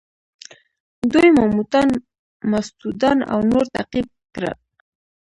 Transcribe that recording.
دوی ماموتان، ماستودان او نور تعقیب کړل.